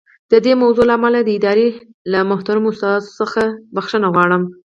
د دې موضوع له امله د ادارې له محترمو استازو څخه بښنه غواړم.